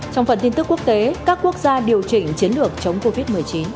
trong phần tin tức quốc tế các quốc gia điều chỉnh chiến lược chống covid một mươi chín